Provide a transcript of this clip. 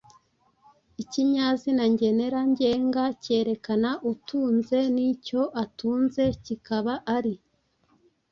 Ikinyazina ngenera ngenga kerekana utunze n’icyo atunze. Kikaba ari